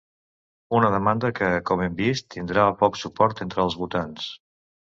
Una demanda que, com hem vist, tindrà poc suport entre els votants.